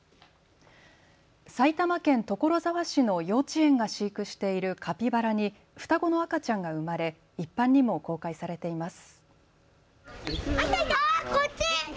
埼玉県所沢市の幼稚園が飼育しているカピバラに双子の赤ちゃんが生まれ一般にも公開されています。